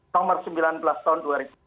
nomor sembilan belas tahun dua ribu sembilan belas